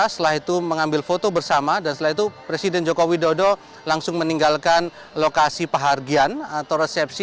setelah itu mengambil foto bersama dan setelah itu presiden joko widodo langsung meninggalkan lokasi pahargian atau resepsi